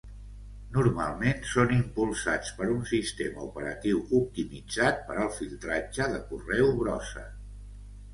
Normalment són impulsats per un sistema operatiu optimitzat per al filtratge de correu brossa.